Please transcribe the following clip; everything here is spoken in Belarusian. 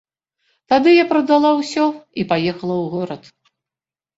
Тады я прадала ўсё і паехала ў горад.